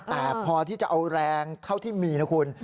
แต่พอที่จะเอาแรงเท่าที่มีนะคุณ